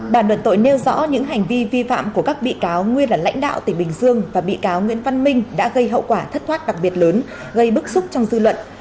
bản luận tội nêu rõ những hành vi vi phạm của các bị cáo nguyên là lãnh đạo tỉnh bình dương và bị cáo nguyễn văn minh đã gây hậu quả thất thoát đặc biệt lớn gây bức xúc trong dư luận